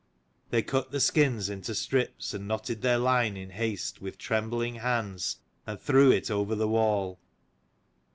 They cut the skins into strips, and knotted their line in haste, with trembling hands, and threw it over the wall.